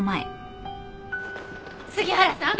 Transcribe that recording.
杉原さん！